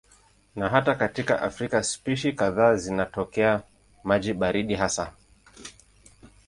Na hata katika Afrika spishi kadhaa zinatokea maji baridi hasa.